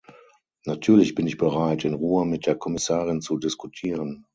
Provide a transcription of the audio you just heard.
Natürlich bin ich bereit, in Ruhe mit der Kommissarin zu diskutieren.